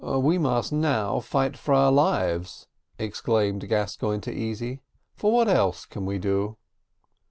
"We must now fight for our lives," exclaimed Gascoigne to Easy, "for what else can we do?"